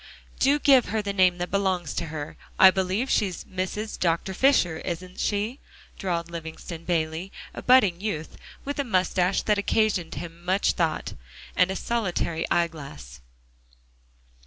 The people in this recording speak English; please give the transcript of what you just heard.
"Do give her the name that belongs to her. I believe she's Mrs. Dr. Fisher, isn't she?" drawled Livingston Bayley, a budding youth, with a moustache that occasioned him much thought, and a solitary eyeglass.